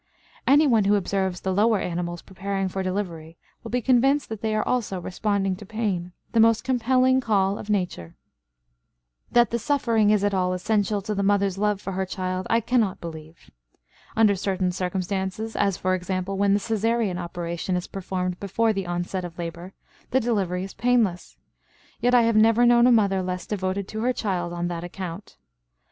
Anyone who observes the lower animals preparing for delivery will be convinced that they also are responding to pain, the most compelling call of nature. That the suffering is at all essential to the mother's love for her child I cannot believe. Under certain circumstances, as for example when the Cesarean operation is performed before the onset of labor, the delivery is painless; yet I have never known a mother less devoted to her child on that account.